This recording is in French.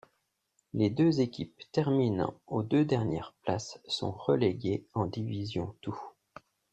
Les deux équipes terminant aux deux dernières places sont reléguées en Division Two.